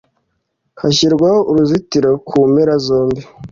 hashyirwaho uruzitiro kumpera zombi